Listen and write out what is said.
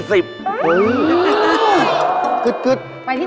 ไปที่ไหนกันก่อน